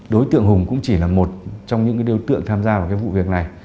đối tượng hùng cũng chỉ là một trong những đối tượng tham gia vào cái vụ việc này